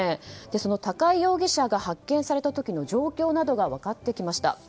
その高井容疑者が発見された時の状況などが分かってきました。